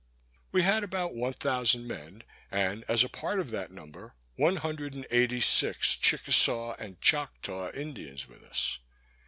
We had about one thousand men, and as a part of that number, one hundred and eighty six Chickesaw and Choctaw Indians with us.